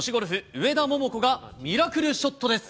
上田桃子がミラクルショットです。